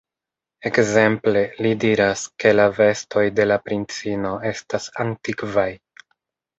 Ekzemple, li diras, ke la vestoj de la princino estas antikvaj.